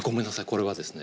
これはですね